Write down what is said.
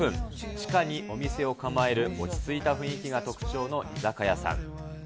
地下にお店を構える落ち着いた雰囲気が特徴の居酒屋さん。